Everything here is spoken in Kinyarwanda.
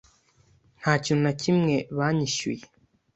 Nta kintu na kimwe banyishyuye.